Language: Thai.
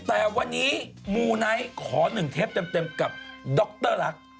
แต่วันนี้มูไนท์ขอ๑เทปเต็มกับด๊อกเตอร์ลักษณ์